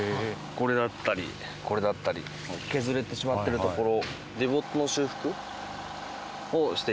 これだったりこれだったり削れてしまってるところ。